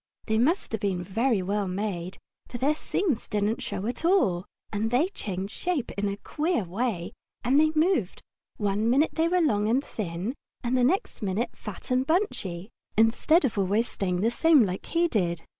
They must have been very well made, for their seams didn't show at all, and they changed shape in a queer way when they moved; one minute they were long and thin and the next minute fat and bunchy, instead of always staying the same like he did.